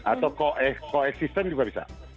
atau koeksisten juga bisa